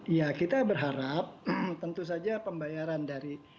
ya kita berharap tentu saja pembayaran dari